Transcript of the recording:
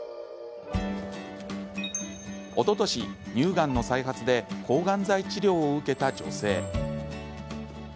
おととし、乳がんの再発で抗がん剤治療を受けた女性。